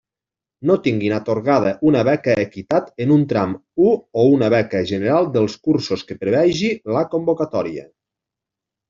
No tinguin atorgada una beca Equitat en un tram u o una beca general dels cursos que prevegi la convocatòria.